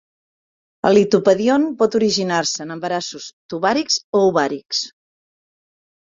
El litopèdion pot originar-se en embarassos tubàrics o ovàrics.